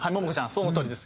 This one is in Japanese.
そのとおりです。